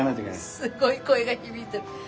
すっごい声が響いてる。